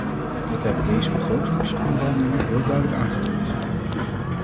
Dat hebben deze begrotingsonderhandelingen heel duidelijk aangetoond.